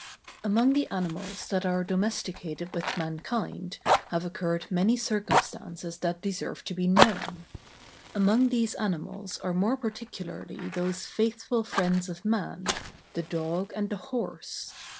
Among the animals that are domesticated with mankind have occurred many circumstances that deserve to be known. Among these animals are more particularly those faithful friends of man, the dog, and the horse.